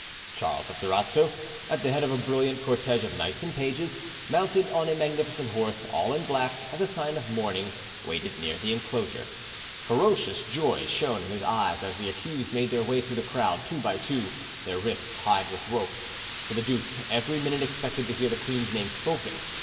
Charles of Durazzo, at the head of a brilliant cortege of knights and pages, mounted on a magnificent horse, all in black, as a sign of mourning, waited near the enclosure. Ferocious joy shone in his eyes as the accused made their way through the crowd, two by two, their wrists tied with ropes; for the duke every minute expected to hear the queen's name spoken.